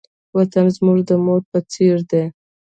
وطن زموږ د مور په څېر دی.